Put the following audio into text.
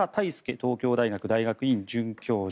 東京大学大学院准教授